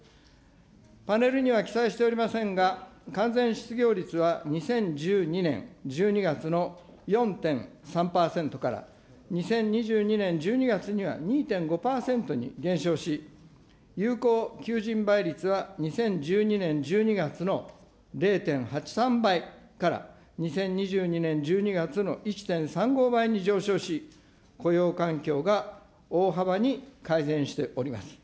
パネルには記載しておりませんが、完全失業率は２０１２年１２月の４．３％から、２０２２年１２月には２．５％に減少し、有効求人倍率は２０１２年１２月の０．８３倍から２０２２年１２月の１．３５倍に上昇し、雇用環境が大幅に改善しております。